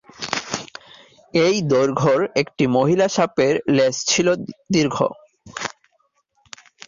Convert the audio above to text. এই দৈর্ঘ্যের একটি মহিলা সাপের লেজ ছিল দীর্ঘ।